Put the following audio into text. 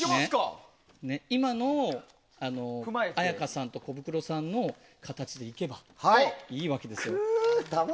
今の絢香さんとコブクロさんの形でいけばいいわけですよ。